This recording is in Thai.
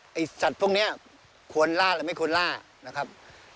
ไอ้สัตว์พวกนี้ควรล่าหรือไม่ควรล่านะครับ